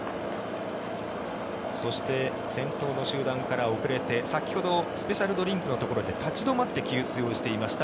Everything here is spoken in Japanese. そして先頭の集団から遅れて先ほどスペシャルドリンクのところで立ち止まって給水をしていました